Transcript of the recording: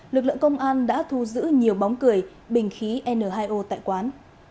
lực lượng công an đã thu giữ nhiều bóng cười bình khí n hai o tại quán